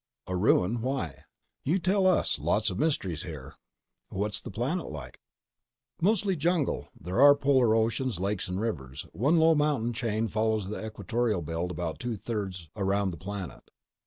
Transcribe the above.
"A ruin? Why?" "You tell us. Lots of mysteries here." "What's the planet like?" "Mostly jungle. There are polar oceans, lakes and rivers. One low mountain chain follows the equatorial belt about two thirds around the planet."